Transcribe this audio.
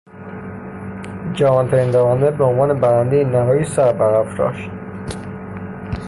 جوانترین دونده به عنوان برندهی نهایی سر برافراشت.